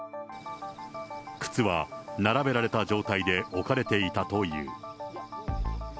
靴は並べられた状態で置かれていたという。